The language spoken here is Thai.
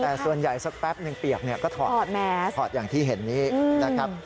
แต่ส่วนใหญ่สักแป๊บนึงเปียกก็ถอดอย่างที่เห็นนี่นะครับ